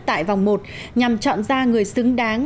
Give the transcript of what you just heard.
tại vòng một nhằm chọn ra người xứng đáng